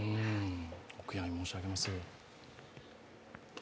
お悔やみ申し上げます。